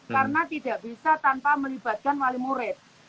karena tidak bisa tanpa melibatkan wali murid